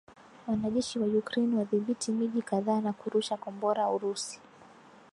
Wanajeshi wa Ukraine wadhibithi miji kadhaa na kurusha Kombora Urusi